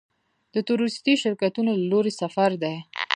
د تورېستي شرکتونو له لوري سفر دی.